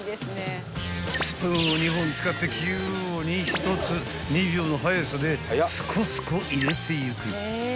［スプーンを２本使って器用に１つ２秒の速さでスコスコ入れていく］